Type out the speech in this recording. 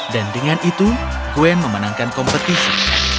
dan dengan itu gwen memenangkan kompetisi